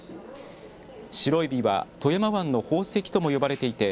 シロエビは富山湾の宝石とも呼ばれていて